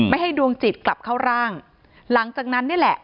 ให้ดวงจิตกลับเข้าร่างหลังจากนั้นนี่แหละ